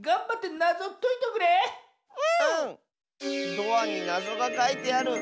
ドアになぞがかいてある！